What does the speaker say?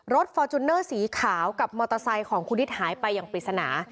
ฟอร์จูเนอร์สีขาวกับมอเตอร์ไซค์ของคุณนิดหายไปอย่างปริศนา